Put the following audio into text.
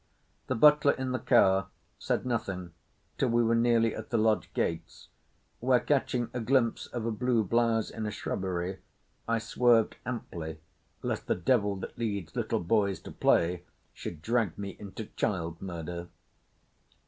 The butler in the car said nothing till we were nearly at the lodge gates, where catching a glimpse of a blue blouse in a shrubbery I swerved amply lest the devil that leads little boys to play should drag me into child murder.